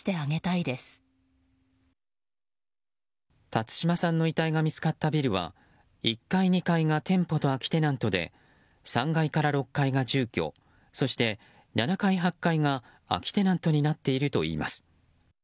辰島さんの遺体が見つかったビルは１階、２階が店舗と空きテナントで３階から６階が住居そして７階、８階が空きテナントになっているといいます。